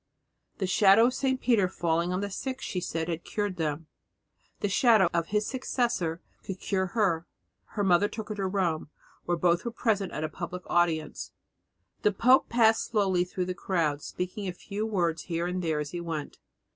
The shadow of St. Peter falling on the sick, she said, had cured them; the shadow of his successor would cure her. Her mother took her to Rome, where both were present at a public audience. The pope passed slowly through the crowd, speaking a few words here and there as he went.